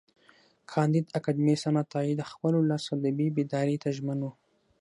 کانديد اکاډميسن عطایي د خپل ولس ادبي بیداري ته ژمن و.